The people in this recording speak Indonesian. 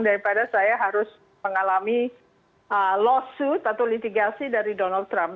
daripada saya harus mengalami lawsuit atau litigasi dari donald trump